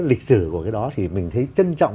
lịch sử của cái đó thì mình thấy trân trọng